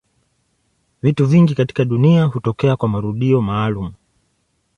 Vitu vingi katika dunia hutokea kwa marudio maalumu.